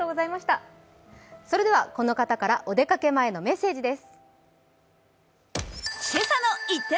この方から、お出かけ前のメッセージです。